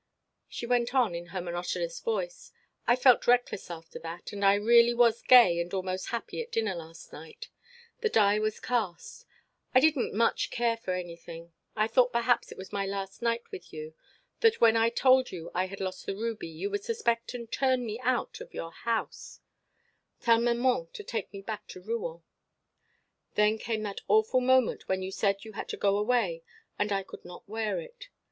She went on in her monotonous voice. "I felt reckless after that and I really was gay and almost happy at dinner last night. The die was cast. I didn't much care for anything. I thought perhaps it was my last night with you that when I told you I had lost the ruby you would suspect and turn me out of your house, tell maman to take me back to Rouen. "Then came that awful moment when you said you had to go away and I could not wear it.